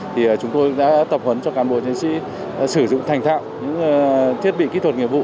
thì chúng tôi đã tập huấn cho cán bộ chiến sĩ sử dụng thành thạo những thiết bị kỹ thuật nghiệp vụ